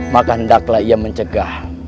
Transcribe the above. maka hendaklah ia mencegah